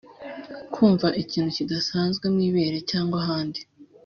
kumva ikintu kidasanzwe mu ibere cyangwa ahandi